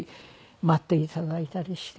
待っていただいたりして。